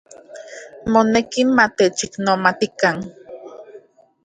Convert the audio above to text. Moneki matechiknomatikan.